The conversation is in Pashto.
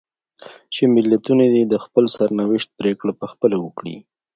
چې ملتونه دې د خپل سرنوشت پرېکړه په خپله وکړي.